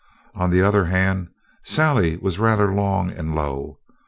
On the other hand, Sally was rather long and low.